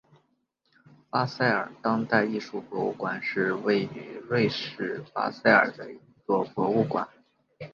巴塞尔当代艺术博物馆是位于瑞士巴塞尔的一座博物馆。